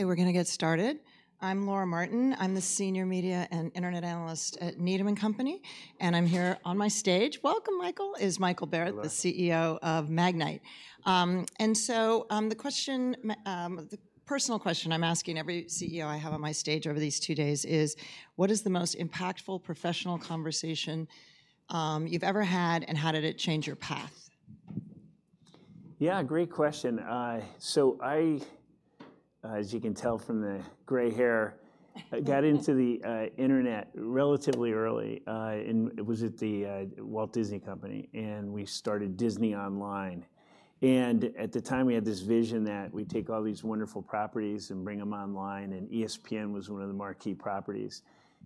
We're gonna get started. I'm Laura Martin. I'm the Senior Media and Internet Analyst at Needham & Company, and I'm here on my stage. Welcome, Michael Barrett- Hello. - the CEO of Magnite. And so, the personal question I'm asking every CEO I have on my stage over these two days is: what is the most impactful professional conversation you've ever had, and how did it change your path? Yeah, great question. So I, as you can tell from the gray hair—I got into the internet relatively early. And it was at The Walt Disney Company, and we started Disney Online. And at the time, we had this vision that we'd take all these wonderful properties and bring them online, and ESPN was one of the marquee properties.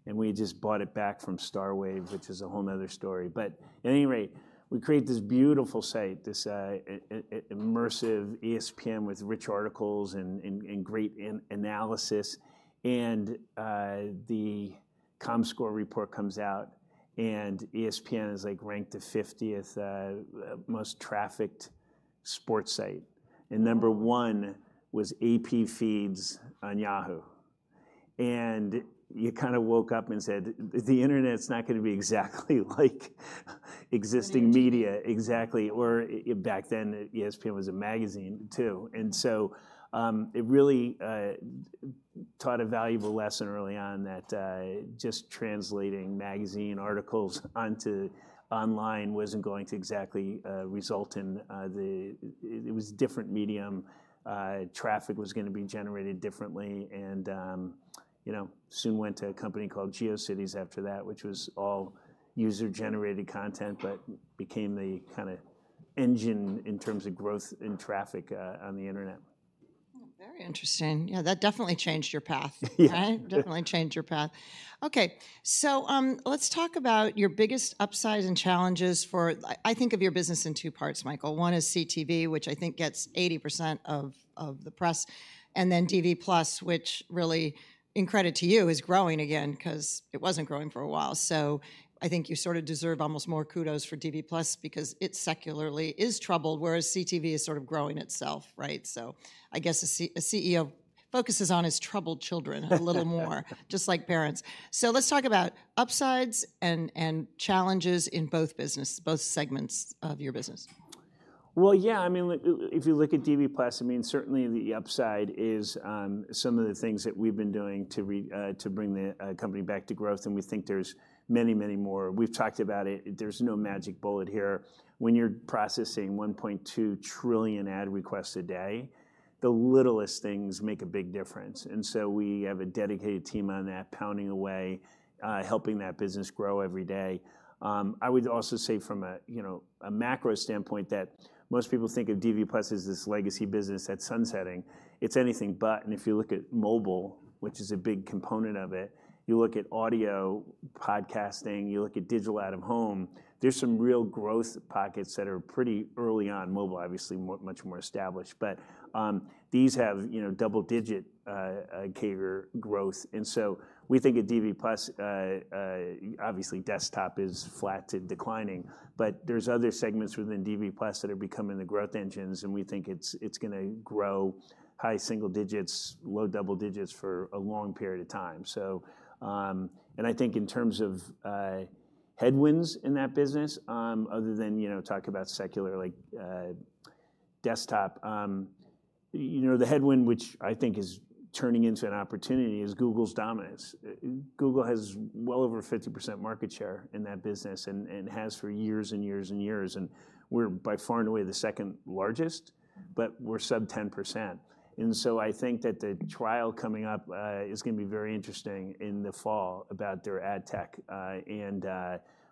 And we just bought it back from Starwave, which is a whole 'nother story. But at any rate, we create this beautiful site, this immersive ESPN with rich articles and great analysis. And the Comscore report comes out, and ESPN is, like, ranked the 50th most trafficked sports site, and number one was AP Feeds on Yahoo! And you kinda woke up and said, "The internet's not gonna be exactly like existing media. Interesting. Exactly, or back then, ESPN was a magazine, too. And so, it really taught a valuable lesson early on that, just translating magazine articles onto online wasn't going to exactly result in it. It was a different medium. Traffic was gonna be generated differently, and, you know, soon went to a company called GeoCities after that, which was all user-generated content, but became the kinda engine in terms of growth in traffic on the internet. Oh, very interesting. Yeah, that definitely changed your path, right? Yeah. Definitely changed your path. Okay, so, let's talk about your biggest upsides and challenges for—I, I think of your business in two parts, Michael. One is CTV, which I think gets 80% of, of the press, and then DV+, which really, in credit to you, is growing again, 'cause it wasn't growing for a while. So I think you sort of deserve almost more kudos for DV+, because it secularly is troubled, whereas CTV is sort of growing itself, right? So I guess a CEO focuses on his troubled children a little more, just like parents. So let's talk about upsides and challenges in both business, both segments of your business. Well, yeah, I mean, if you look at DV+, I mean, certainly the upside is, some of the things that we've been doing to bring the company back to growth, and we think there's many, many more. We've talked about it. There's no magic bullet here. When you're processing 1.2 trillion ad requests a day, the littlest things make a big difference, and so we have a dedicated team on that, pounding away, helping that business grow every day. I would also say from a, you know, a macro standpoint, that most people think of DV+ as this legacy business that's sunsetting. It's anything but, and if you look at mobile, which is a big component of it, you look at audio, podcasting, you look at digital out-of-home, there's some real growth pockets that are pretty early on. Mobile, obviously, much more established, but these have, you know, double-digit carrier growth. And so we think at DV+, obviously, desktop is flat to declining, but there's other segments within DV+ that are becoming the growth engines, and we think it's gonna grow high single digits, low double digits for a long period of time. So, and I think in terms of headwinds in that business, other than, you know, talk about secularly desktop, you know, the headwind, which I think is turning into an opportunity, is Google's dominance. Google has well over 50% market share in that business and has for years and years and years, and we're by far and away the second largest, but we're sub 10%. And so I think that the trial coming up is gonna be very interesting in the fall about their ad tech, and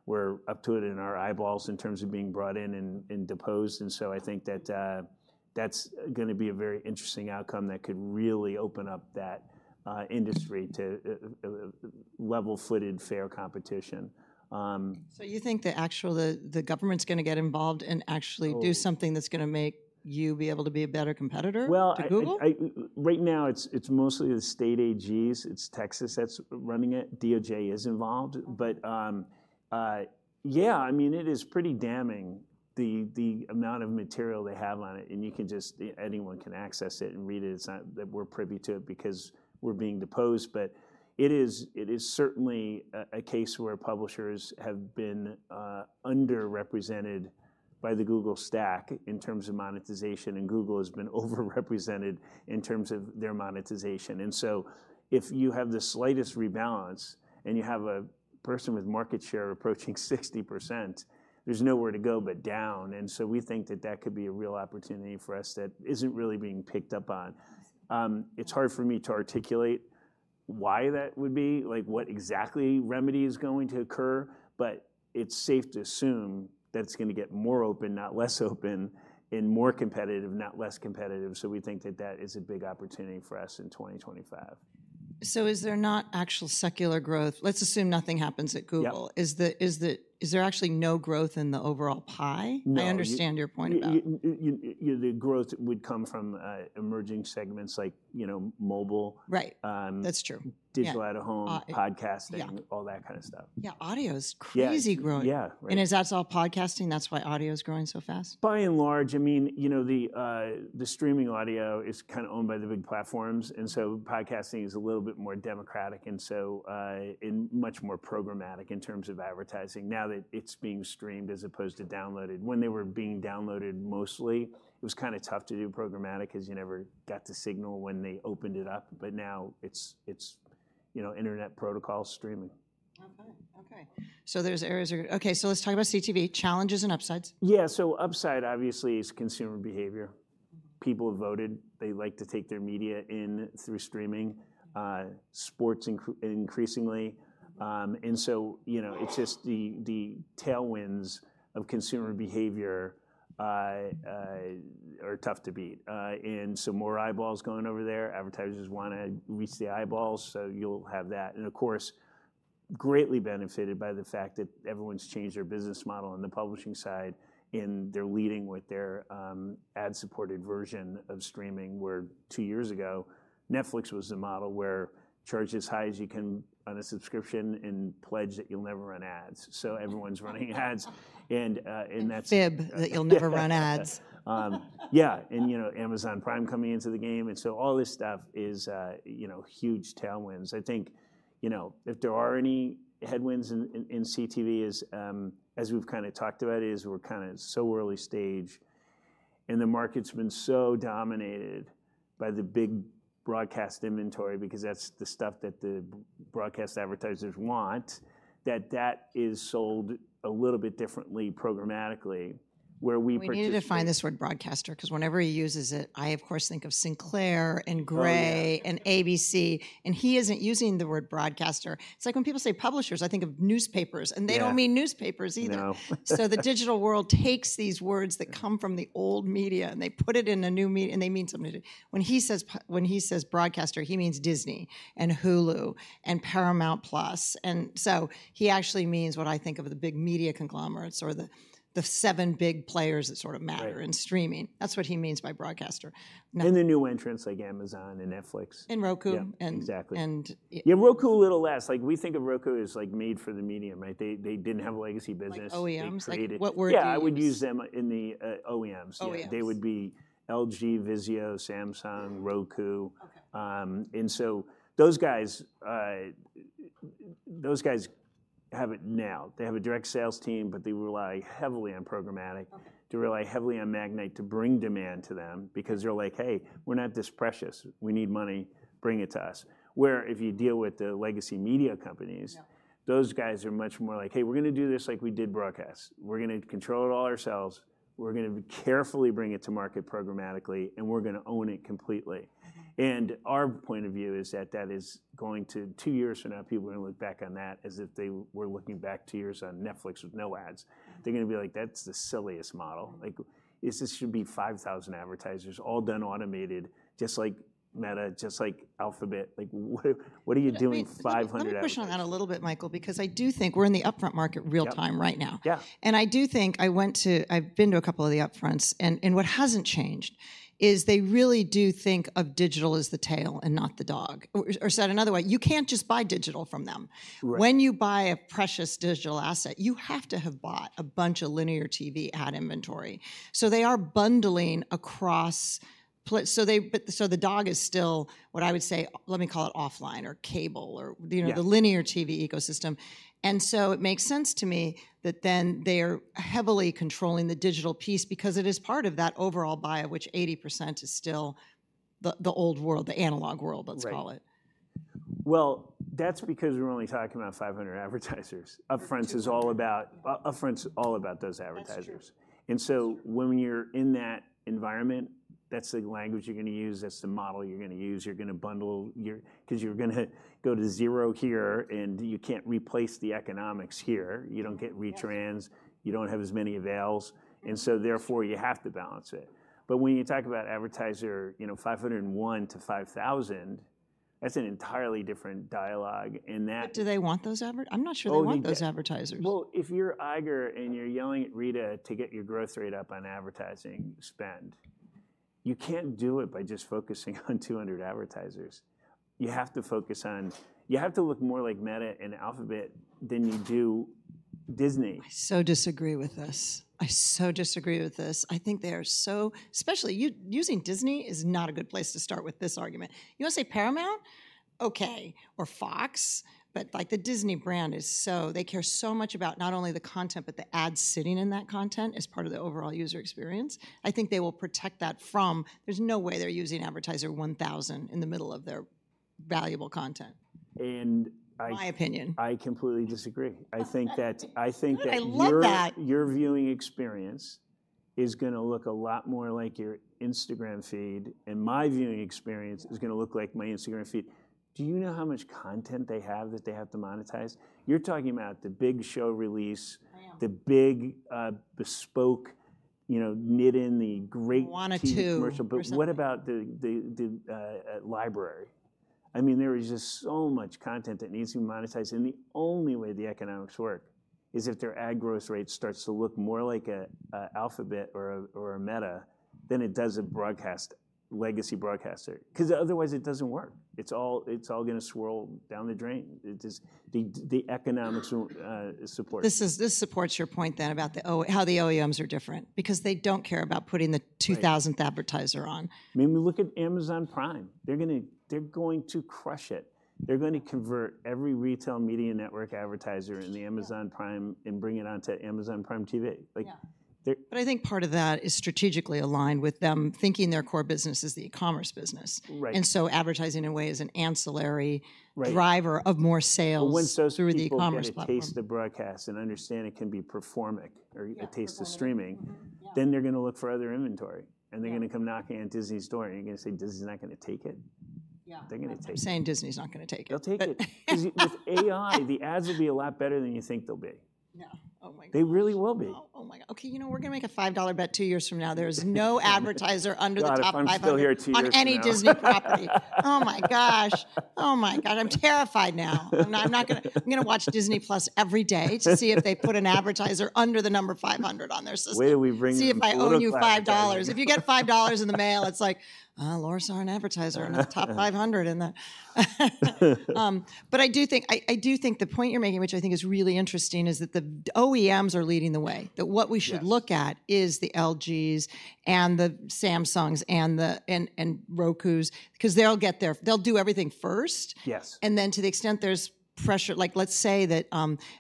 we're up to it in our eyeballs in terms of being brought in and deposed. And so I think that that's gonna be a very interesting outcome that could really open up that industry to level-footed, fair competition. So you think the government's gonna get involved and actually- Oh- do something that's gonna make you be able to be a better competitor Well, I - to Google?... right now, it's mostly the state AGs. It's Texas that's running it. DOJ is involved. Uh-huh. But, yeah, I mean, it is pretty damning, the amount of material they have on it, and anyone can access it and read it. It's not that we're privy to it because we're being deposed, but it is certainly a case where publishers have been underrepresented by the Google stack in terms of monetization, and Google has been overrepresented in terms of their monetization. And so if you have the slightest rebalance, and you have a person with market share approaching 60%, there's nowhere to go but down. And so we think that that could be a real opportunity for us that isn't really being picked up on. It's hard for me to articulate why that would be, what exactly remedy is going to occur, but it's safe to assume that it's gonna get more open, not less open, and more competitive, not less competitive. So we think that that is a big opportunity for us in 2025.... Is there not actual secular growth? Let's assume nothing happens at Google. Yeah. Is there actually no growth in the overall pie? No. I understand your point about it. The growth would come from emerging segments like, you know, mobile. Right. Um- That's true. Digital Out-of-Home- Yeah... podcasting- Yeah... all that kind of stuff. Yeah, audio is crazy growing. Yeah, yeah. Right. Is that all podcasting, that's why audio is growing so fast? By and large, I mean, you know, the streaming audio is kind of owned by the big platforms, and so podcasting is a little bit more democratic, and so, and much more programmatic in terms of advertising now that it's being streamed as opposed to downloaded. When they were being downloaded mostly, it was kind of tough to do programmatic 'cause you never got the signal when they opened it up, but now it's, you know, internet protocol streaming. Okay, okay. So those areas are... Okay, so let's talk about CTV: challenges and upsides. Yeah, so upside obviously is consumer behavior. People have voted. They like to take their media in through streaming, sports increasingly. And so, you know, it's just the tailwinds of consumer behavior are tough to beat. And so more eyeballs going over there, advertisers wanna reach the eyeballs, so you'll have that. And of course, greatly benefited by the fact that everyone's changed their business model on the publishing side, and they're leading with their ad-supported version of streaming, where two years ago, Netflix was the model where charge as high as you can on a subscription and pledge that you'll never run ads. So everyone's running ads and that's- Fib, that you'll never run ads. Yeah, and you know, Amazon Prime coming into the game, and so all this stuff is, you know, huge tailwinds. I think, you know, if there are any headwinds in CTV, as we've kind of talked about, we're kind of so early stage, and the market's been so dominated by the big broadcast inventory because that's the stuff that the broadcast advertisers want, that that is sold a little bit differently programmatically, where we participate- We need to define this word, broadcaster, 'cause whenever he uses it, I, of course, think of Sinclair and Gray- Oh, yeah... and ABC, and he isn't using the word broadcaster. It's like when people say publishers, I think of newspapers- Yeah... and they don't mean newspapers either. No. So the digital world takes these words that come from the old media, and they put it in a new and they mean something different. When he says broadcaster, he means Disney, and Hulu, and Paramount+, and so he actually means what I think of the big media conglomerates or the seven big players that sort of matter- Right... in streaming. That's what he means by broadcaster. Now- The new entrants like Amazon and Netflix. And Roku. Yeah, exactly. And, and- Yeah, Roku, a little less. Like, we think of Roku as, like, made for the medium, right? They, they didn't have a legacy business. Like OEMs? They created- Like, what we're OEMs. Yeah, I would use them in the OEMs. OEMs. Yeah, they would be LG, Vizio, Samsung, Roku. Okay. And so those guys, those guys have it now. They have a direct sales team, but they rely heavily on programmatic- Okay... they rely heavily on Magnite to bring demand to them because they're like: "Hey, we're not this precious. We need money. Bring it to us." Where if you deal with the legacy media companies- Yeah... those guys are much more like: "Hey, we're gonna do this like we did broadcast. We're gonna control it all ourselves. We're gonna carefully bring it to market programmatically, and we're gonna own it completely. Mm-hmm. Our point of view is that that is going to... Two years from now, people are gonna look back on that as if they were looking back two years on Netflix with no ads. They're gonna be like: "That's the silliest model. Like, this, this should be 5,000 advertisers, all done automated, just like Meta, just like Alphabet. Like, what are you doing with 500 advertisers? Let me, let me push on that a little bit, Michael, because I do think we're in the upfront market real time- Yeah... right now. Yeah. I do think, I've been to a couple of the Upfronts, and what hasn't changed is they really do think of digital as the tail and not the dog. Or said another way, you can't just buy digital from them. Right. When you buy a precious digital asset, you have to have bought a bunch of linear TV ad inventory. So they are bundling across pla- so they, but, so the dog is still what I would say, let me call it offline or cable or, you know- Yeah... the linear TV ecosystem. And so it makes sense to me that then they are heavily controlling the digital piece because it is part of that overall buy, of which 80% is still the old world, the analog world- Right... let's call it. Well, that's because we're only talking about 500 advertisers. Upfronts is all about... Upfronts is all about those advertisers. That's true. And so- That's true... when you're in that environment, that's the language you're gonna use, that's the model you're gonna use. You're gonna bundle your... 'Cause you're gonna go to zero here, and you can't replace the economics here. You don't get retrans. Yes. You don't have as many avails, and so therefore, you have to balance it. But when you talk about advertiser, you know, 501-5,000, that's an entirely different dialogue, and that- But do they want those adver-? I'm not sure they want- Oh, they do.... those advertisers. Well, if you're Iger and you're yelling at Rita to get your growth rate up on advertising spend, you can't do it by just focusing on 200 advertisers. You have to focus on... You have to look more like Meta and Alphabet than you do Disney. I so disagree with this. I so disagree with this. I think they are so... Especially using Disney is not a good place to start with this argument. You wanna say Paramount? Okay, or Fox, but, like, the Disney brand is so-- They care so much about not only the content, but the ads sitting in that content as part of the overall user experience. I think they will protect that from... There's no way they're using advertiser 1,000 in the middle of their valuable content. And I- My opinion I completely disagree. Oh, good. I think that. I love that! Your viewing experience is gonna look a lot more like your Instagram feed, and my viewing experience is gonna look like my Instagram feed. Do you know how much content they have that they have to monetize? You're talking about the big show release- I am... the big, bespoke... you know, knit in the great TV commercial- One or two or something. But what about the library? I mean, there is just so much content that needs to be monetized, and the only way the economics work is if their ad gross rate starts to look more like a Alphabet or a Meta than it does a broadcaster, legacy broadcaster. 'Cause otherwise, it doesn't work. It's all gonna swirl down the drain. It just... The economics won't support it. This is, this supports your point then about how the OEMs are different because they don't care about putting the- Right... 2,000th advertiser on. I mean, we look at Amazon Prime. They're going to crush it. They're going to convert every retail media network advertiser in the Amazon Prime- Yeah... and bring it onto Amazon Prime TV. Like- Yeah... they- I think part of that is strategically aligned with them thinking their core business is the e-commerce business. Right. Advertising, in a way, is an ancillary- Right... driver of more sales- But once those people- through the e-commerce platform... get a taste of broadcast and understand it can be performance, a taste of streaming- Mm-hmm. Yeah... then they're gonna look for other inventory, and they're- Yeah... gonna come knocking on Disney's door. Are you gonna say Disney's not gonna take it? Yeah. They're gonna take it. I'm saying Disney's not gonna take it. They'll take it. 'Cause with AI, the ads will be a lot better than you think they'll be. Yeah. Oh, my gosh! They really will be. Oh, oh, my... Okay, you know, we're gonna make a $5 bet two years from now. There's no advertiser under the top 500- God, I'm still here two years from now.... on any Disney property. Oh, my gosh. Oh, my God, I'm terrified now. I'm not, I'm not gonna... I'm gonna watch Disney+ every day to see if they put an advertiser under the number 500 on their system. Way we bring in- See if I owe you $5.... glorified. If you get $5 in the mail, it's like, "Oh, Laura saw an advertiser in the top 500 in the..." But I do think the point you're making, which I think is really interesting, is that the OEMs are leading the way. That what we should- Yes... look at is the LGs and the Samsungs and the Rokus, 'cause they'll get there. They'll do everything first. Yes. To the extent there's pressure... Like, let's say that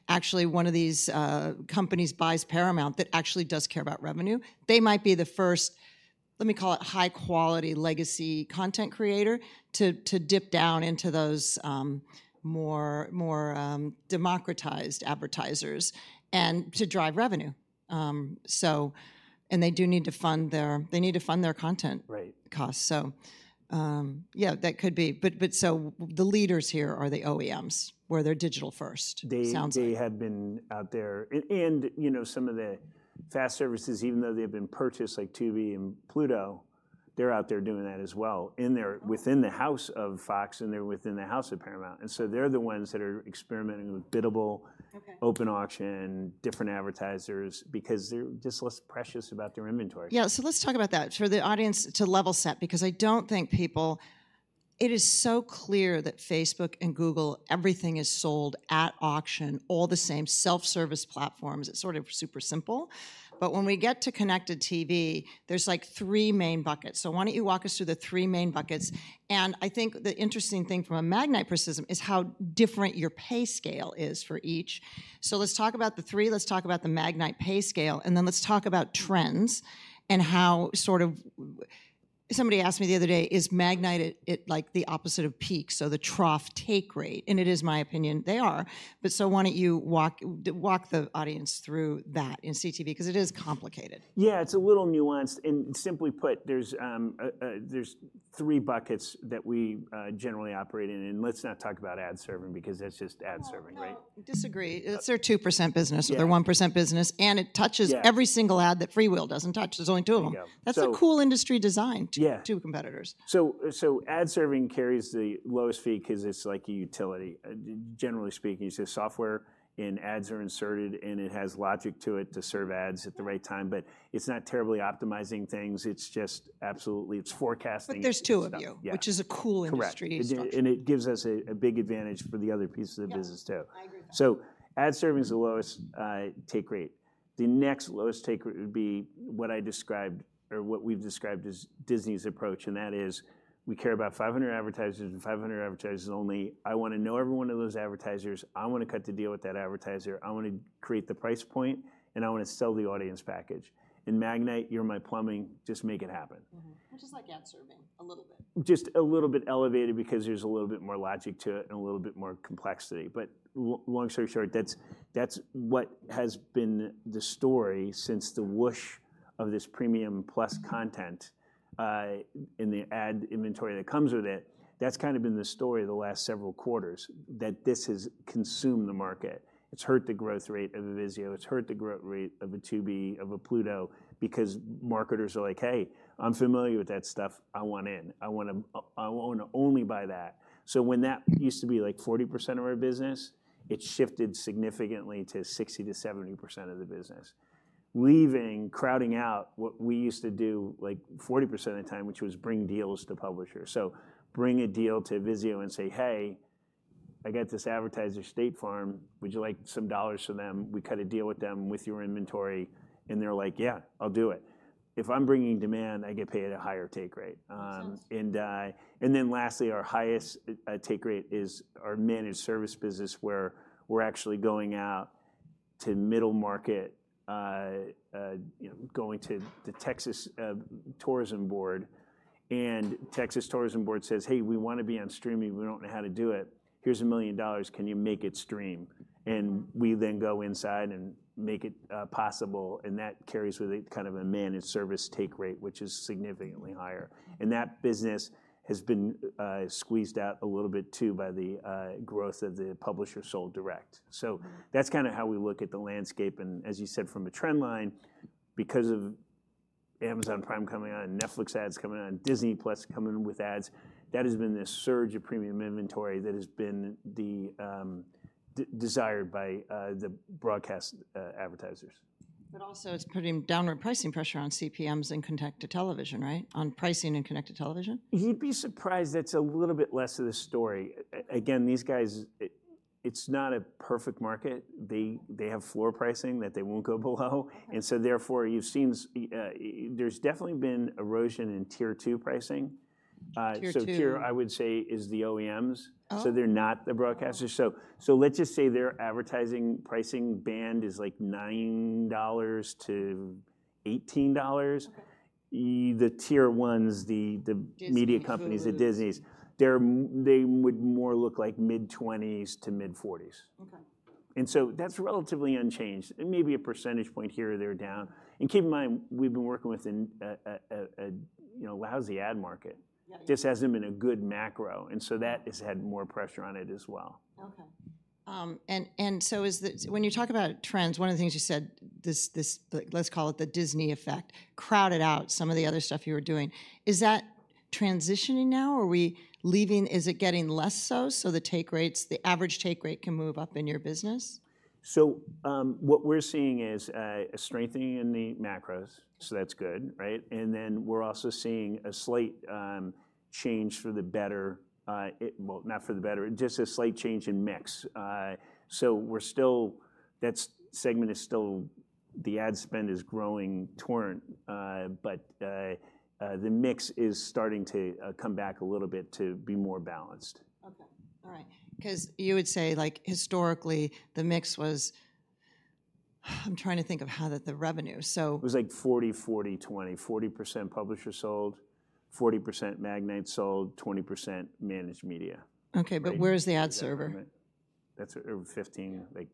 actually one of these companies buys Paramount that actually does care about revenue. They might be the first, let me call it high-quality legacy content creator, to dip down into those more democratized advertisers and to drive revenue. So and they do need to fund their... They need to fund their content- Right... costs. So, yeah, that could be. But so the leaders here are the OEMs, where they're digital first- They-... sounds like. They had been out there. And, you know, some of the FAST services, even though they've been purchased, like Tubi and Pluto, they're out there doing that as well. And they're- Okay ...within the house of Fox, and they're within the house of Paramount, and so they're the ones that are experimenting with biddable- Okay... open auction, different advertisers, because they're just less precious about their inventory. Yeah, so let's talk about that. For the audience, to level set, because I don't think people... It is so clear that Facebook and Google, everything is sold at auction, all the same self-service platforms. It's sort of super simple, but when we get to connected TV, there's like three main buckets. So why don't you walk us through the three main buckets? And I think the interesting thing from a Magnite prism is how different your pay scale is for each. So let's talk about the three, let's talk about the Magnite pay scale, and then let's talk about trends and how sort of... Somebody asked me the other day: "Is Magnite, it, like, the opposite of peak, so the trough take rate?" And it is my opinion they are. But so why don't you walk, walk the audience through that in CTV, 'cause it is complicated. Yeah, it's a little nuanced. And simply put, there's three buckets that we generally operate in, and let's not talk about ad serving because that's just ad serving, right? Well, no, disagree. It's their 2% business- Yeah... or their 1% business, and it touches- Yeah... every single ad that FreeWheel doesn't touch. There's only two of them. Yeah. So- That's a cool industry design- Yeah... two competitors. So ad serving carries the lowest fee 'cause it's like a utility. Generally speaking, it's a software, and ads are inserted, and it has logic to it to serve ads at the right time, but it's not terribly optimizing things. It's just absolutely, it's forecasting- But there's 2 of you- Yeah... which is a cool industry- Correct... structure. And it gives us a big advantage for the other pieces of the business- Yeah... too. I agree with that. So ad serving is the lowest take rate. The next lowest take rate would be what I described or what we've described as Disney's approach, and that is: we care about 500 advertisers and 500 advertisers only. I wanna know every one of those advertisers. I wanna cut the deal with that advertiser. I wanna create the price point, and I wanna sell the audience package. In Magnite, you're my plumbing, just make it happen. Mm-hmm. Which is like ad serving a little bit. Just a little bit elevated because there's a little bit more logic to it and a little bit more complexity. But long story short, that's what has been the story since the whoosh of this premium plus content and the ad inventory that comes with it. That's kind of been the story the last several quarters, that this has consumed the market. It's hurt the growth rate of a Vizio, it's hurt the growth rate of a Tubi, of a Pluto, because marketers are like: "Hey, I'm familiar with that stuff. I want in. I wanna, I want to only buy that." So when that used to be, like, 40% of our business, it shifted significantly to 60%-70% of the business. Leaving, crowding out what we used to do, like, 40% of the time, which was bring deals to publishers. So bring a deal to Vizio and say, "Hey, I got this advertiser, State Farm. Would you like some dollars from them? We cut a deal with them with your inventory." And they're like: "Yeah, I'll do it." If I'm bringing demand, I get paid at a higher take rate. Makes sense And then lastly, our highest take rate is our managed service business, where we're actually going out to middle market, you know, going to the Texas Tourism Board, and Texas Tourism Board says, "Hey, we wanna be on streaming. We don't know how to do it. Here's $1 million. Can you make it stream?" And we then go inside and make it possible, and that carries with it kind of a managed service take rate, which is significantly higher. And that business has been squeezed out a little bit, too, by the growth of the publisher sold direct. Mm-hmm. So that's kind of how we look at the landscape. And as you said, from a trend line, because of Amazon Prime coming on, Netflix ads coming on, Disney+ coming in with ads, that has been the surge of premium inventory that has been the desired by the broadcast advertisers. But also, it's putting downward pricing pressure on CPMs and connected television, right? You'd be surprised, that's a little bit less of the story. Again, these guys, it's not a perfect market. They have floor pricing that they won't go below. Right. And so therefore, you've seen, there's definitely been erosion in Tier Two pricing. Tier two- I would say, is the OEMs. Oh. They're not the broadcasters. Oh. So, let's just say their advertising pricing band is, like, $9-$18. Okay. the Tier Ones, Disney, who-... media companies, the Disneys, they would more look like mid-20s to mid-40s. Okay. That's relatively unchanged, and maybe a percentage point here or there down. Keep in mind, we've been working with a you know, lousy ad market. Yeah. This hasn't been a good macro, and so that has had more pressure on it as well. Okay. When you talk about trends, one of the things you said, this, like, let's call it the Disney effect, crowded out some of the other stuff you were doing. Is that transitioning now? Are we leaving? Is it getting less so the take rates, the average take rate can move up in your business? So, what we're seeing is a strengthening in the macros, so that's good, right? And then we're also seeing a slight change for the better. Well, not for the better, just a slight change in mix. So we're still, that segment is still, the ad spend is growing, but the mix is starting to come back a little bit to be more balanced. Okay. All right. 'Cause you would say, like, historically, the mix was... I'm trying to think of how the revenue, so- It was, like, 40, 40, 20. 40% publisher sold, 40% Magnite sold, 20% managed media. Okay, but where is the ad server? That's over 15, like-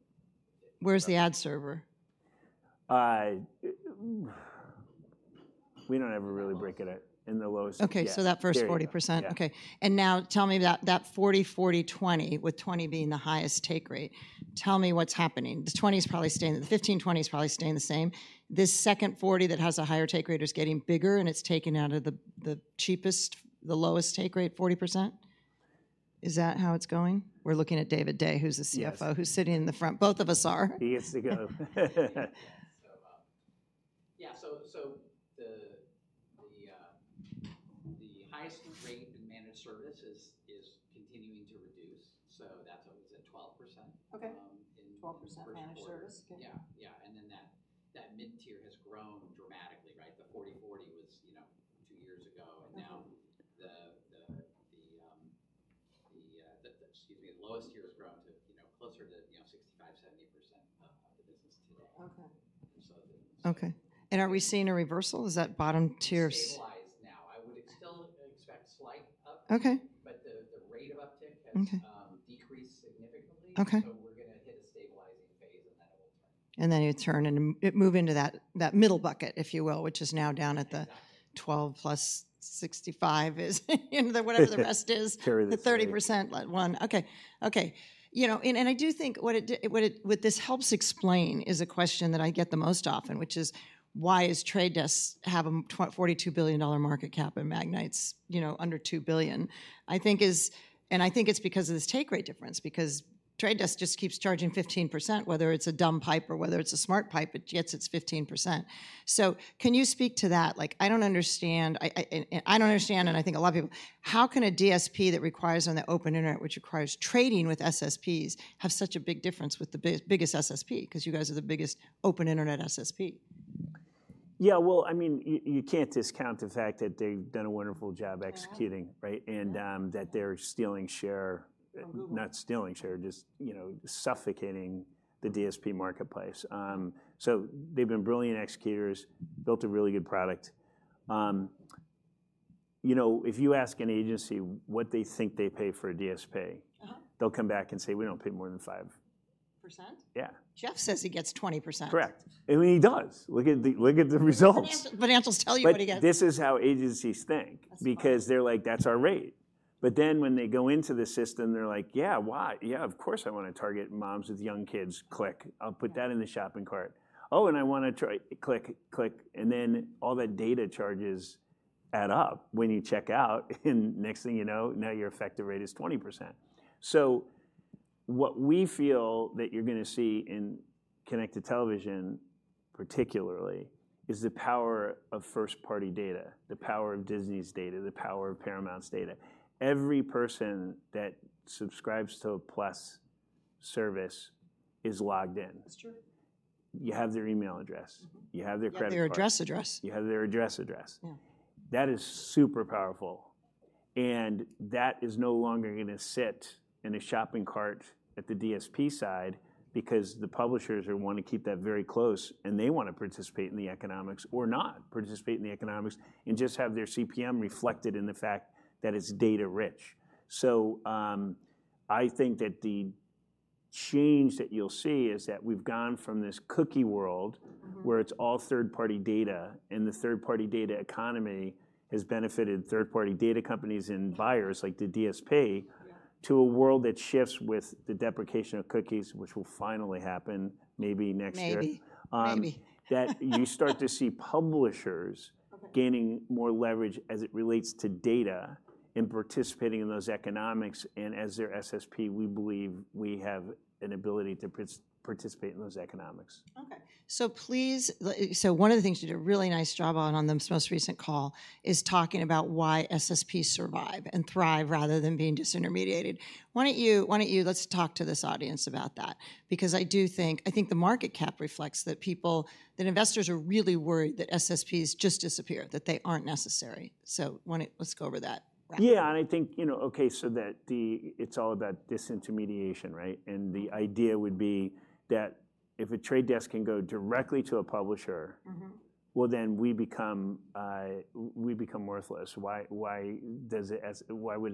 Where's the ad server? We don't ever really break it out. In the lows. In the lows. Okay- Yes... so that first 40%. Yeah. Okay, and now tell me that 40, 40, 20, with 20 being the highest take rate, tell me what's happening. The 20 is probably staying... The 15, 20 is probably staying the same. This second 40 that has a higher take rate is getting bigger, and it's taking out of the cheapest, the lowest take rate, 40%? Is that how it's going? We're looking at David Day, who's the CFO- Yes... who's sitting in the front. Both of us are. He gets to go. So, the highest rate in managed service is continuing to reduce, so that's what was at 12%. Okay 12% managed service... first quarter. Okay. Yeah, yeah, and then that, that mid-tier has grown dramatically, right? The 40, 40 was, you know, 2 years ago, and now- Mm-hmm... the lowest tier has grown to, you know, closer to, you know, 65%-70% of the business today. Okay. So the- Okay. Are we seeing a reversal? Is that bottom tier- Stabilized now. I would still expect slight uptick. Okay. But the rate of uptick has- Okay... decreased significantly. Okay. So we're gonna hit a stabilizing phase, and then it will turn. And then it'll turn and move into that middle bucket, if you will, which is now down at the- Yeah... 12 plus 65 is, you know, the whatever the rest is. Carry the three. The 30% one. Okay, okay. You know, and I do think what this helps explain is a question that I get the most often, which is, "Why is Trade Desk have a $42 billion market cap, and Magnite's, you know, under $2 billion?" I think is... And I think it's because of this take rate difference, because Trade Desk just keeps charging 15%. Whether it's a dumb pipe or whether it's a smart pipe, it gets its 15%. So can you speak to that? Like, I don't understand. I, and I don't understand, and I think a lot of people... How can a DSP that requires on the open internet, which requires trading with SSPs, have such a big difference with the biggest SSP? Because you guys are the biggest open internet SSP. Yeah, well, I mean, you can't discount the fact that they've done a wonderful job executing- Yeah... right? And, that they're stealing share- From Google... not stealing share, just, you know, suffocating the DSP marketplace. So they've been brilliant executors, built a really good product. You know, if you ask an agency what they think they pay for a DSP- Uh-huh... they'll come back and say: We don't pay more than $5. Percent? Yeah. Jeff says he gets 20%. Correct. I mean, he does. Look at the, look at the results. Financials, financials tell you what he gets. But this is how agencies think- That's right... because they're like, "That's our rate." But then, when they go into the system, they're like: "Yeah, why? Yeah, of course, I want to target moms with young kids. Click. I'll put that in the shopping cart. Oh, and I want to try," click, click, and then all the data charges add up when you check out, and next thing you know, now your effective rate is 20%. So what we feel that you're gonna see in connected television, particularly, is the power of first-party data, the power of Disney's data, the power of Paramount's data. Every person that subscribes to a Plus service is logged in. That's true. You have their email address. Mm-hmm. You have their credit card. You have their address, address. You have their address, address. Yeah. That is super powerful, and that is no longer gonna sit in a shopping cart at the DSP side because the publishers will want to keep that very close, and they want to participate in the economics or not participate in the economics and just have their CPM reflected in the fact that it's data rich. So, I think that the change that you'll see is that we've gone from this cookie world- Mm-hmm... where it's all third-party data, and the third-party data economy has benefited third-party data companies and buyers, like the DSP- Yeah... to a world that shifts with the deprecation of cookies, which will finally happen maybe next year- Maybe, maybe. that you start to see publishers- Okay... gaining more leverage as it relates to data and participating in those economics. And as their SSP, we believe we have an ability to participate in those economics. Okay, so please, so one of the things you did a really nice job on, on the most recent call, is talking about why SSPs survive and thrive, rather than being disintermediated. Why don't you... Let's talk to this audience about that, because I think the market cap reflects that people, that investors are really worried that SSPs just disappear, that they aren't necessary. So let's go over that rapidly. Yeah, and I think, you know, okay, so that the, it's all about disintermediation, right? And the idea would be that if The Trade Desk can go directly to a publisher- Mm-hmm... well, then we become worthless. Why would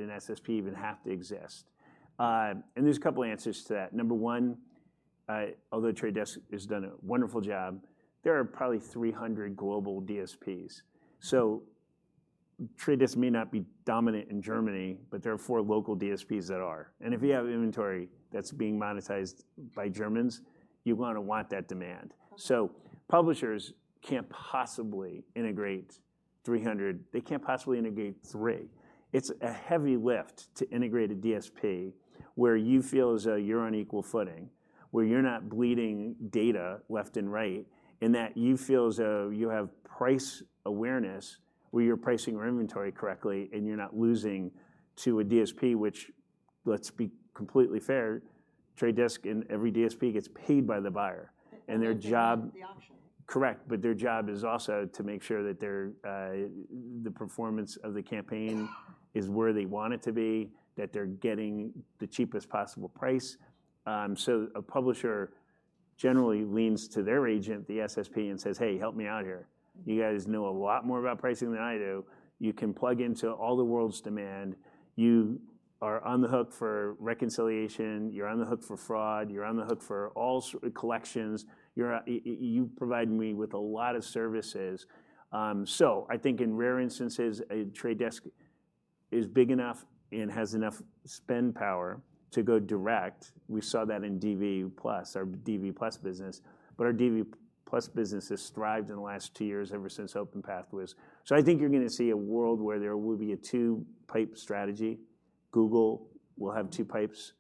an SSP even have to exist? And there's a couple answers to that. Number one, although The Trade Desk has done a wonderful job, there are probably 300 global DSPs. So Trade Desk may not be dominant in Germany, but there are four local DSPs that are. And if you have inventory that's being monetized by Germans, you're gonna want that demand. Okay. Publishers can't possibly integrate 300... They can't possibly integrate 3. It's a heavy lift to integrate a DSP, where you feel as though you're on equal footing, where you're not bleeding data left and right, and that you feel as though you have price awareness, where you're pricing your inventory correctly, and you're not losing to a DSP. Which, let's be completely fair, The Trade Desk and every DSP gets paid by the buyer, and their job- The auction. Correct, but their job is also to make sure that their, the performance of the campaign is where they want it to be, that they're getting the cheapest possible price. So a publisher generally leans to their agent, the SSP, and says: "Hey, help me out here. You guys know a lot more about pricing than I do. You can plug into all the world's demand. You are on the hook for reconciliation. You're on the hook for fraud. You're on the hook for all collections. You provide me with a lot of services." So I think in rare instances, a Trade Desk is big enough and has enough spend power to go direct. We saw that in DV Plus, our DV Plus business. But our DV Plus business has thrived in the last two years, ever since OpenPath was... I think you're gonna see a world where there will be a two-pipe strategy. Google will have two pipes.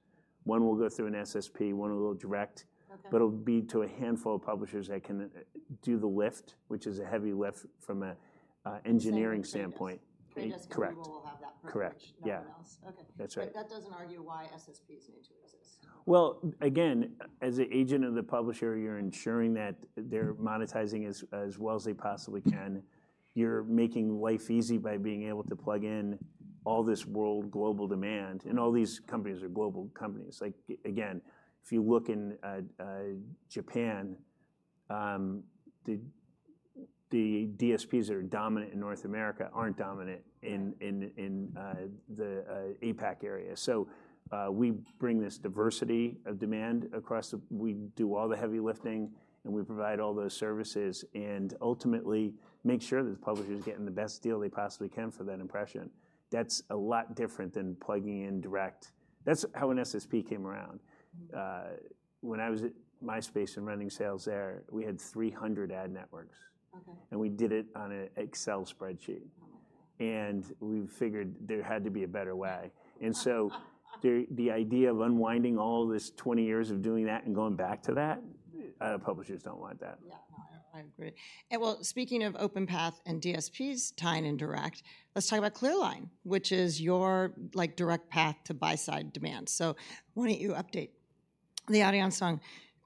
One will go through an SSP, one will go direct- Okay... but it'll be to a handful of publishers that can do the lift, which is a heavy lift from an engineering standpoint. Saying Trade Desk. Correct. Trade Desk will have that privilege. Correct. No one else. Yeah. Okay. That's right. But that doesn't argue why SSPs need to exist. Well, again, as an agent of the publisher, you're ensuring that they're monetizing as well as they possibly can. You're making life easy by being able to plug in all this world global demand, and all these companies are global companies. Like, again, if you look in Japan, the DSPs that are dominant in North America aren't dominant in the APAC area. So, we bring this diversity of demand across the... We do all the heavy lifting, and we provide all the services, and ultimately make sure that the publisher is getting the best deal they possibly can for that impression. That's a lot different than plugging in direct. That's how an SSP came around. Mm-hmm. When I was at MySpace and running sales there, we had 300 ad networks. Okay. And we did it on an Excel spreadsheet- Wow... and we figured there had to be a better way. And so the idea of unwinding all this 20 years of doing that and going back to that, publishers don't want that. Yeah, no, I agree. Well, speaking of OpenPath and DSPs tying in direct, let's talk about ClearLine, which is your, like, direct path to buy-side demand. So why don't you update the audience on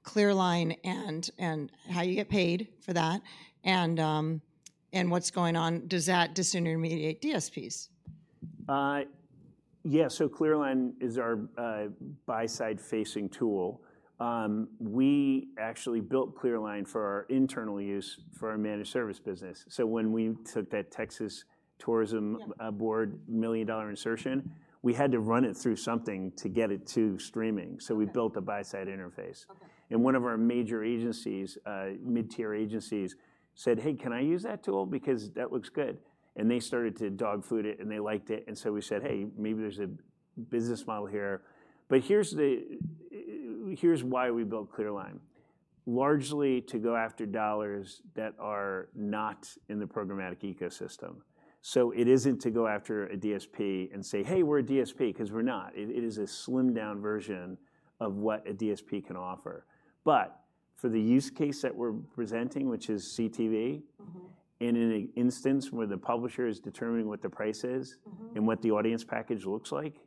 ClearLine and, and how you get paid for that, and what's going on. Does that disintermediate DSPs? Yeah. So ClearLine is our buy-side facing tool. We actually built ClearLine for our internal use, for our managed service business. So when we took that Texas Tourism- Yeah... million-dollar insertion, we had to run it through something to get it to streaming. Okay. We built a buy-side interface. Okay. And one of our major agencies, mid-tier agencies, said, "Hey, can I use that tool? Because that looks good." And they started to dog food it, and they liked it, and so we said, "Hey, maybe there's a business model here." But here's why we built ClearLine: largely to go after dollars that are not in the programmatic ecosystem. So it isn't to go after a DSP and say, "Hey, we're a DSP," 'cause we're not. It, it is a slimmed-down version of what a DSP can offer. But for the use case that we're presenting, which is CTV- Mm-hmm... and in an instance where the publisher is determining what the price is- Mm-hmm... and what the audience package looks like,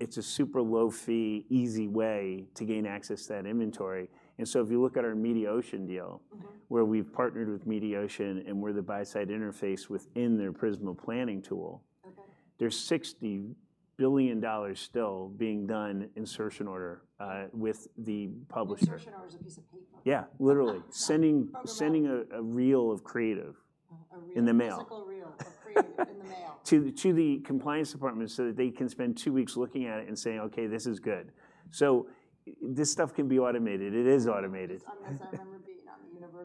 it's a super low-fee, easy way to gain access to that inventory. And so if you look at our Mediaocean deal- Mm-hmm... where we've partnered with Mediaocean, and we're the buy-side interface within their Prisma planning tool- Okay... there's $60 billion still being done, insertion order, with the publisher. Insertion Order is a piece of paper. Yeah, literally. From- Sending a reel of creative- A reel... in the mail. A physical reel of creative in the mail. To the compliance department, so that they can spend two weeks looking at it and saying, "Okay, this is good." So this stuff can be automated. It is automated.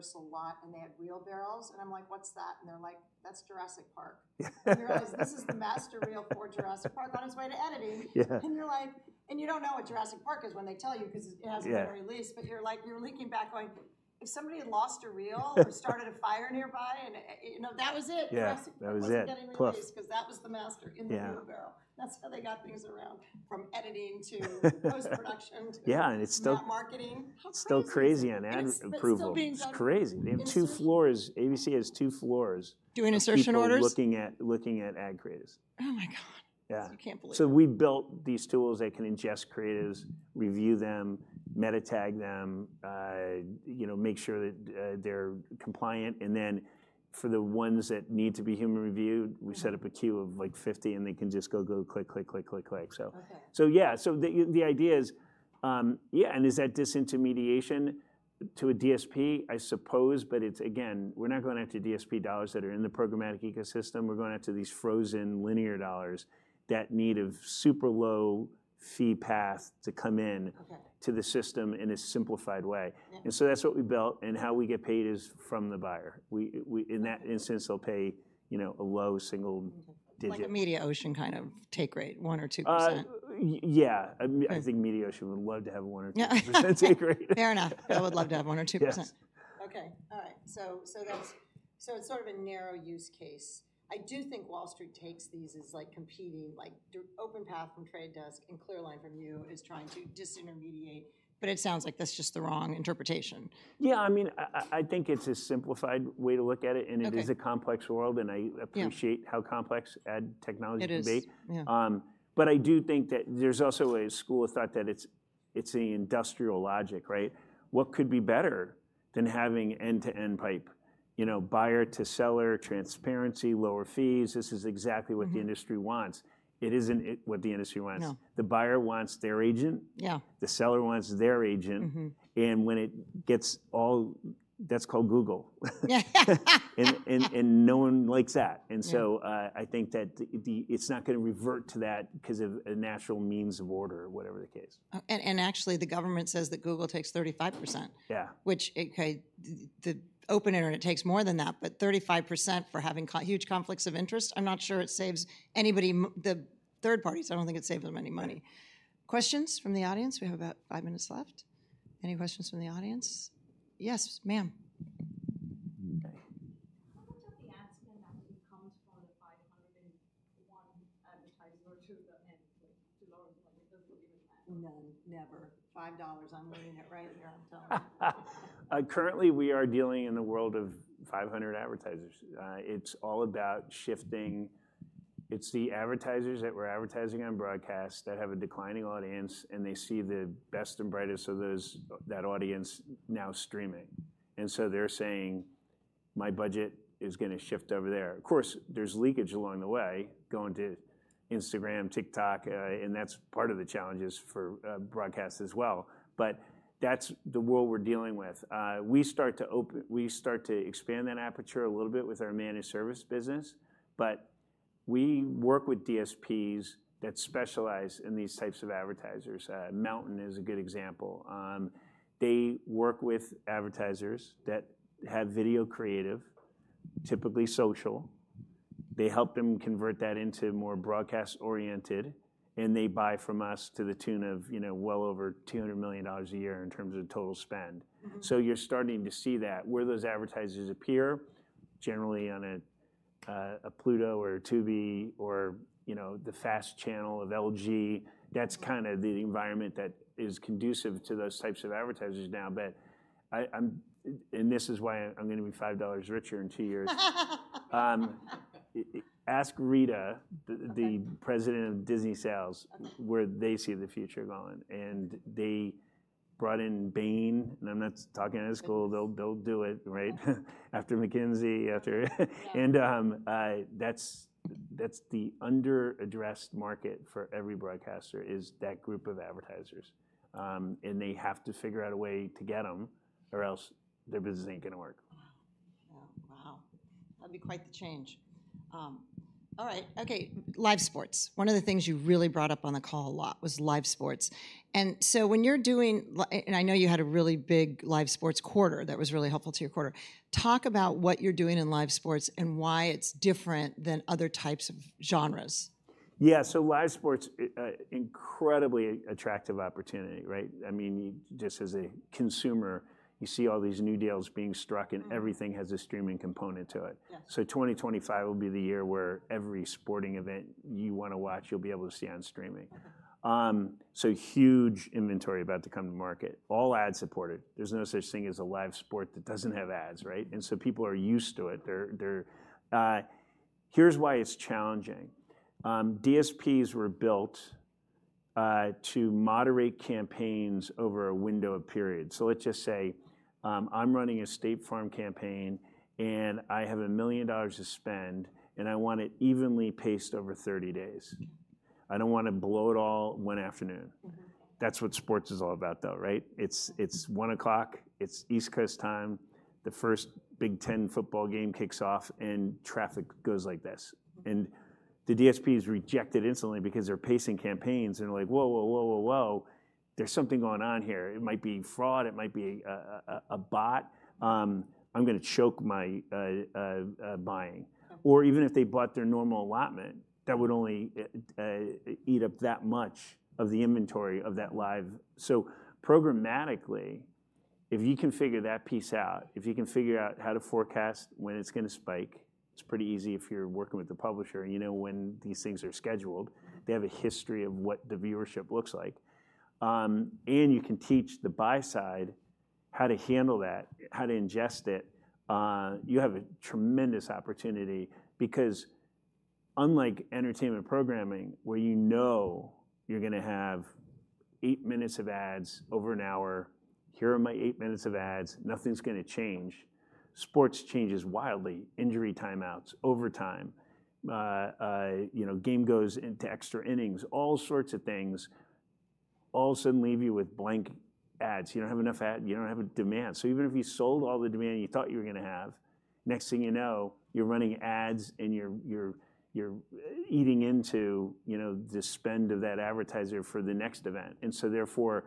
I remember being at the Universal lot, and they had reel barrels, and I'm like: "What's that?" And they're like: "That's Jurassic Park." And you realize this is the master reel for Jurassic Park on its way to editing. Yeah. And you're like... And you don't know what Jurassic Park is when they tell you, 'cause it hasn't- Yeah... been released. But you're like, you're looking back, going, "If somebody had lost a reel—or started a fire nearby, and, you know, that was it. Yeah, that was it. It wasn't getting released- Plus- ’cause that was the master- Yeah... in the barrel. That's how they got things around from editing to post-production to Yeah, and it's still- Now marketing. How crazy! Still crazy on ad approval. But still being done. It's crazy. They have two floors. ABC has two floors- Doing insertion orders?... of people looking at ad creatives. Oh, my God! Yeah. I can't believe it. So we've built these tools that can ingest creatives, review them, meta tag them, you know, make sure that they're compliant, and then for the ones that need to be human reviewed. Mm. We set up a queue of, like, 50, and they can just go, go, click, click, click, click, click, so. Okay. So yeah, the idea is. Yeah, and is that disintermediation to a DSP? I suppose, but it's, again, we're not going after DSP dollars that are in the programmatic ecosystem. We're going after these frozen linear dollars that need a super low-fee path to come in- Okay ... to the system in a simplified way. Okay. That's what we built, and how we get paid is from the buyer. In that instance, they'll pay, you know, a low single digit. Like a Mediaocean kind of take rate, 1 or 2%? Yeah. I mean. Right I think Mediaocean would love to have a 1% or 2% take rate. Fair enough. I would love to have 1% or 2%. Yes. Okay, all right. So it's sort of a narrow use case. I do think Wall Street takes these as, like, competing, like, OpenPath from The Trade Desk and ClearLine from you, is trying to disintermediate. But it sounds like that's just the wrong interpretation. Yeah, I mean, I think it's a simplified way to look at it. Okay And it is a complex world, and I- Yeah... appreciate how complex ad technology can be. It is, yeah. But I do think that there's also a school of thought that it's an industrial logic, right? What could be better than having end-to-end pipe, you know, buyer to seller transparency, lower fees? This is exactly what- Mm-hmm... the industry wants. It isn't what the industry wants. No. The buyer wants their agent- Yeah. The seller wants their agent. Mm-hmm. And when it gets all... That's called Google. And no one likes that. Yeah. And so, I think that it's not gonna revert to that, 'cause of a natural means of order or whatever the case. Oh, and actually, the government says that Google takes 35%. Yeah. Which, okay, the open internet takes more than that, but 35% for having huge conflicts of interest, I'm not sure it saves anybody, the third parties, I don't think it saves them any money. Questions from the audience? We have about five minutes left. Any questions from the audience? Yes, ma'am. How much of the ad spend actually comes from the 501 advertiser to the end, like, to lower? No, never. $5, I'm winning it right here, I'm telling you. Currently, we are dealing in the world of 500 advertisers. It's all about shifting. It's the advertisers that were advertising on broadcast that have a declining audience, and they see the best and brightest of those, that audience now streaming. And so they're saying, "My budget is gonna shift over there." Of course, there's leakage along the way, going to Instagram, TikTok, and that's part of the challenges for broadcast as well. But that's the world we're dealing with. We start to expand that aperture a little bit with our managed service business. But we work with DSPs that specialize in these types of advertisers. MNTN is a good example. They work with advertisers that have video creative, typically social. They help them convert that into more broadcast-oriented, and they buy from us to the tune of, you know, well over $200 million a year in terms of total spend. Mm-hmm. So you're starting to see that, where those advertisers appear, generally on a, a Pluto or a Tubi or, you know, the FAST channel of LG. That's kind of the environment that is conducive to those types of advertisers now. But I'm... And this is why I'm gonna be $5 richer in two years. Ask Rita, the- Okay... the President of Disney Sales- Okay... where they see the future going. They brought in Bain, and I'm not talking preschool. Good. They'll, they'll do it, right? After McKinsey, after... Yeah. That's the under-addressed market for every broadcaster, is that group of advertisers. They have to figure out a way to get them, or else their business ain't gonna work. Wow! Yeah, wow. That'd be quite the change. All right. Okay, live sports: One of the things you really brought up on the call a lot was live sports. And so when you're doing live sports, and I know you had a really big live sports quarter that was really helpful to your quarter. Talk about what you're doing in live sports, and why it's different than other types of genres? Yeah, so live sports, incredibly attractive opportunity, right? I mean, you, just as a consumer, you see all these new deals being struck- Mm... and everything has a streaming component to it. Yeah. So 2025 will be the year where every sporting event you wanna watch, you'll be able to see on streaming. Okay. So huge inventory about to come to market, all ad-supported. There's no such thing as a live sport that doesn't have ads, right? And so people are used to it. They're... Here's why it's challenging. DSPs were built to moderate campaigns over a window of period. So let's just say, I'm running a State Farm campaign, and I have $1 million to spend, and I want it evenly paced over 30 days. I don't wanna blow it all one afternoon. Mm-hmm. That's what sports is all about, though, right? It's, it's 1:00 P.M., it's East Coast time, the first Big Ten football game kicks off, and traffic goes like this. Mm-hmm.... the DSP is rejected instantly because they're pacing campaigns, and they're like, "Whoa, whoa, whoa, whoa, whoa! There's something going on here. It might be fraud. It might be a bot. I'm gonna choke my buying. Or even if they bought their normal allotment, that would only eat up that much of the inventory of that live... So programmatically, if you can figure that piece out, if you can figure out how to forecast when it's gonna spike, it's pretty easy if you're working with the publisher, and you know when these things are scheduled. They have a history of what the viewership looks like. And you can teach the buy side how to handle that, how to ingest it. You have a tremendous opportunity because unlike entertainment programming, where you know you're gonna have eight minutes of ads over an hour, here are my eight minutes of ads, nothing's gonna change. Sports changes wildly, injury timeouts, overtime. You know, game goes into extra innings. All sorts of things all of a sudden leave you with blank ads. You don't have a demand. So even if you sold all the demand you thought you were gonna have, next thing you know, you're running ads, and you're eating into, you know, the spend of that advertiser for the next event. And so therefore,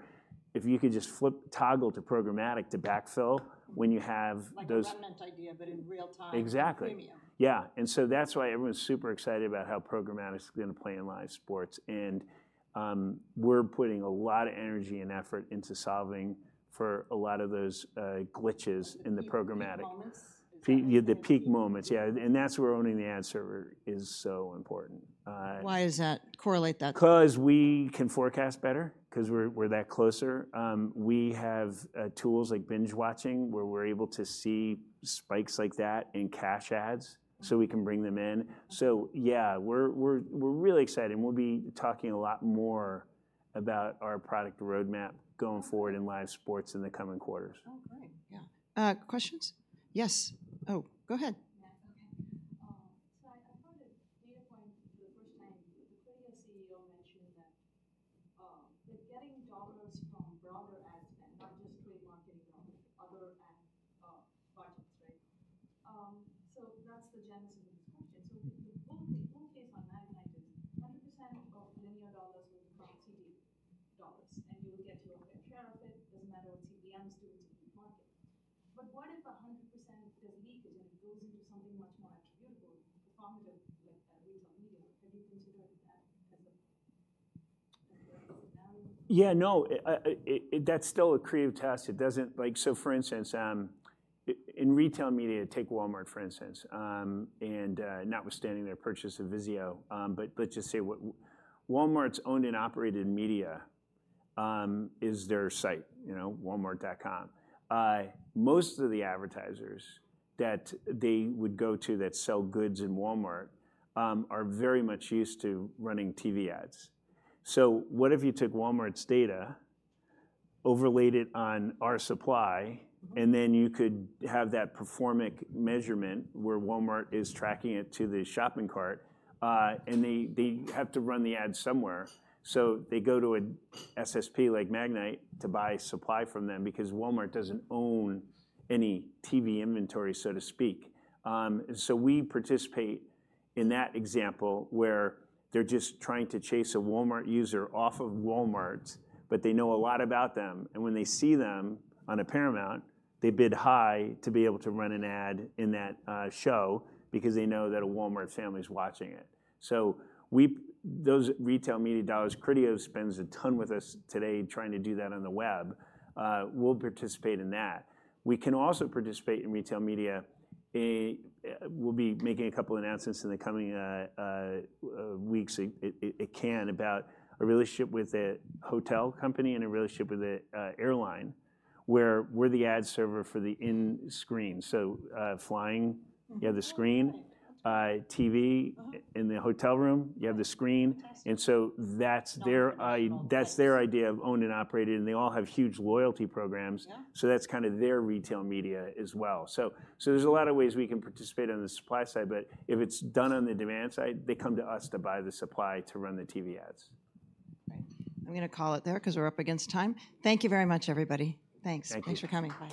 if you could just toggle to programmatic to backfill when you have those- Like a remnant idea, but in real time- Exactly. Premium. Yeah, and so that's why everyone's super excited about how programmatic's gonna play in live sports. We're putting a lot of energy and effort into solving for a lot of those glitches in the programmatic. The peak moments? Is that- Yeah, the peak moments, yeah, and that's where owning the ad server is so important. Why is that? Correlate that. 'Cause we can forecast better, 'cause we're that closer. We have tools like binge watching, where we're able to see spikes like that and cache ads, so we can bring them in. So yeah, we're really excited, and we'll be talking a lot more about our product roadmap going forward in live sports in the coming quarters. Oh, great, yeah. Questions? Yes. Oh, go ahead. Yeah, okay. So I heard a data point for the first time. The Criteo CEO mentioned that they're getting dollars from broader ads and not just trade marketing, from other ad partners, right? So that's the genesis of this question. So if the whole case on Magnite is 100% of linear dollars will come from TV dollars, and you will get your fair share of it. Doesn't matter what CPMs do to the market. But what if 100% there's leakage, and it goes into something much more attributable, performative, like retail media? Have you considered that as a value? Yeah, no. That's still a creative test. It doesn't. Like, so for instance, in retail media, take Walmart, for instance, notwithstanding their purchase of Vizio. But just say Walmart's owned and operated media is their site, you know, Walmart.com. Most of the advertisers that they would go to that sell goods in Walmart are very much used to running TV ads. So what if you took Walmart's data, overlaid it on our supply- Mm-hmm. and then you could have that performance measurement, where Walmart is tracking it to the shopping cart. And they have to run the ad somewhere, so they go to a SSP, like Magnite, to buy supply from them because Walmart doesn't own any TV inventory, so to speak. So we participate in that example, where they're just trying to chase a Walmart user off of Walmart, but they know a lot about them. And when they see them on a Paramount, they bid high to be able to run an ad in that show because they know that a Walmart family is watching it. So those retail media dollars, Criteo spends a ton with us today trying to do that on the web. We'll participate in that. We can also participate in retail media. We'll be making a couple announcements in the coming weeks at Cannes, about a relationship with a hotel company and a relationship with an airline, where we're the ad server for the end screen. So, flying- Mm-hmm. You have the screen. Oh, okay. Uh, TV- Uh-huh... in the hotel room, you have the screen. Fantastic. And so that's their, Non-traditional. Yes. That's their idea of owned and operated, and they all have huge loyalty programs. Yeah. So that's kind of their retail media as well. So there's a lot of ways we can participate on the supply side, but if it's done on the demand side, they come to us to buy the supply to run the TV ads. Great. I'm gonna call it there 'cause we're up against time. Thank you very much, everybody. Thanks. Thank you. Thanks for coming. Bye.